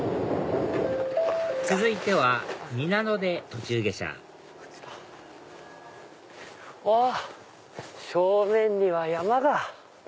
続いては皆野で途中下車あっ正面には山が。